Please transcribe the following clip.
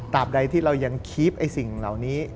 ใดที่เรายังคีบไอ้สิ่งเหล่านี้